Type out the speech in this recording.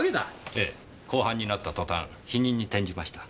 ええ公判になった途端否認に転じました。